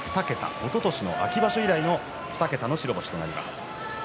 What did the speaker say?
おととしの秋場所以来の２桁の白星となります。